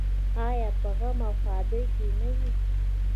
آیا په غم او ښادۍ کې نه وي؟